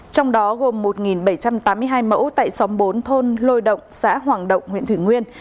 trong đó gồm một bảy trăm tám mươi hai mẫu tại xóm bốn thôn lôi động xã hoàng động huyện thủy nguyên